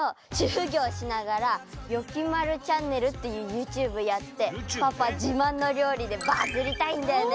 ふぎょうしながら「よきまるチャンネル」っていうユーチューブやってパパじまんのりょうりでバズりたいんだよね！